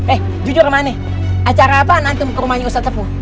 eh jujur mane acara apaan antum ke rumahnya ustadz sefu